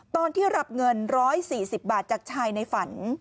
ตอนที่รับเงิน๑๔๐บาทจากชายในฝัน